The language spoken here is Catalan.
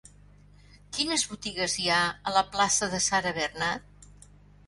Quines botigues hi ha a la plaça de Sarah Bernhardt?